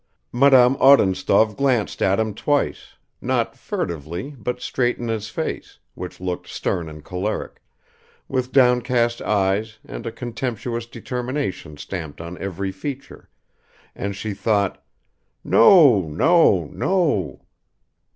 Madame Odintsov glanced at him twice, not furtively, but straight in his face, which looked stern and choleric, with downcast eyes and a contemptuous determination stamped on every feature, and she thought: "No ... no ... no."